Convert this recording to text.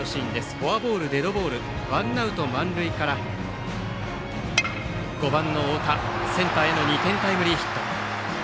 フォアボール、デッドボールワンアウト満塁から５番の太田、センターへの２点タイムリーヒット。